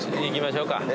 行きましょうか。